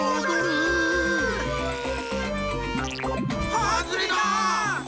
はずれだ！